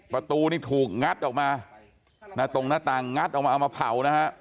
ประตูนี่ถูกงัดออกมาหน้าตรงหน้าต่างงัดออกมาเอามาเผานะฮะ